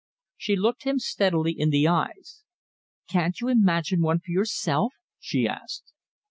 She looked him steadily in the eyes. "Can't you imagine one for yourself?" she asked.